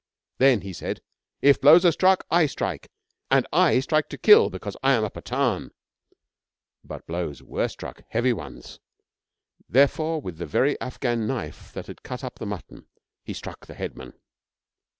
Then he said, 'If blows are struck, I strike, and I strike to kill, because I am a Pathan,' But the blows were struck, heavy ones. Therefore, with the very Afghan knife that had cut up the mutton, he struck the headman.